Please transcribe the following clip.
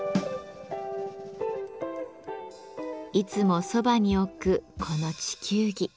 いつもそばに置くこの地球儀。